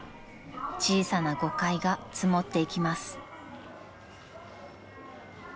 ［小さな誤解が積もっていきます］